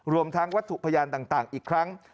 รวมทั้งวัตถุพยานต่างอีกครั้ง